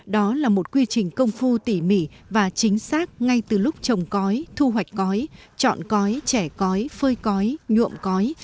đó là một quy trình công phu tỉ mỉ và chính xác ngay từ lúc trồng cói thu hoạch cói chọn cói trẻ cói phơi cói nhuộm cói